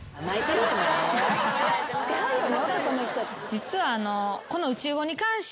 実は。